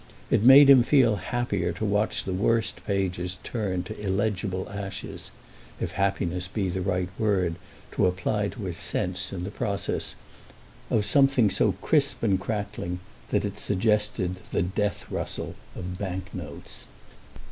It made him feel happier to watch the worst pages turn to illegible ashes—if happiness be the right word to apply to his sense, in the process, of something so crisp and crackling that it suggested the death rustle of bank notes.